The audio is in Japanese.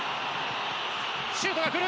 シュートがくる。